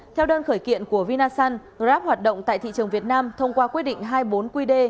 theo đơn khởi kiện của vinasun grab hoạt động tại thị trường việt nam thông qua quyết định hai mươi bốn qd